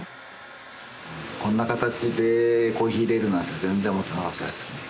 こんな形でコーヒーいれるなんて全然思ってなかったですね。